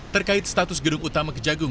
terkait status gedung utama kejagung